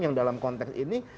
yang dalam konteks ini